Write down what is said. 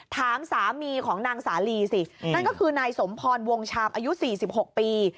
ถามสามีของนางสาลีสินั่นก็คือนายสมพรวงชามอายุ๔๖ปี